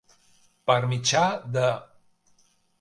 Per mitjà de.